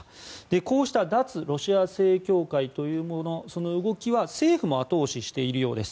こうした脱ロシア正教会というものその動きは政府も後押ししているようです。